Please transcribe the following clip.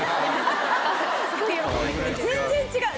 全然違う。